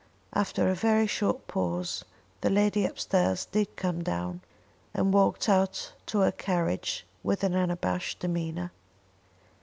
After a very short pause, the lady upstairs did come down, and walked out to her carriage with an unabashed demeanour.